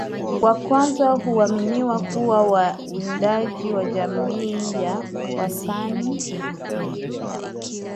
wa kwanza huaminiwa kuwa wawindaji wa jamii ya Wasani